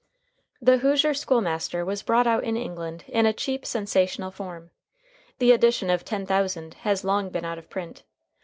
"The Hoosier School Master" was brought out in England in a cheap, sensational form. The edition of ten thousand has long been out of print.